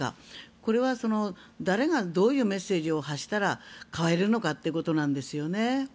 これは誰がどういうメッセージを発したら変わるのかということなんですよね。